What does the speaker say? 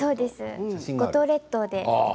五島列島で。